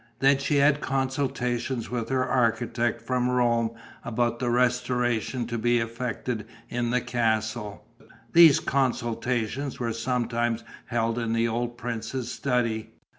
Then she had consultations with her architect from Rome about the restorations to be effected in the castle: these consultations were sometimes held in the old prince's study.